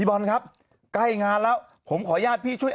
ลงแว็บเนอะหรือว่าถ้ามันเห็นข่าวอะไรอยู่ก็ตามก็ต้องช่างใจให้ก่อน